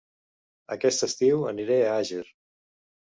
Aquest estiu aniré a Àger